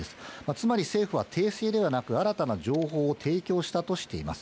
つまり、政府は訂正ではなく、新たな情報を提供したとしています。